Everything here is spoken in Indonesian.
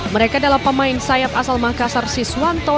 mereka adalah pemain sayap asal makassar siswanto